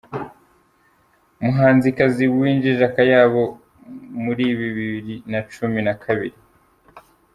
muhanzikazi winjije akayabo muri bibiri nacumi nakabiri